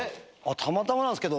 たまたまなんですけど。